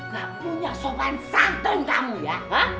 gak punya sopan santun kamu ya